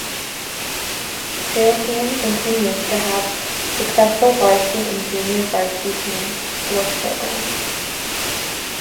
Salesian continues to have successful varsity and junior varsity team sports program.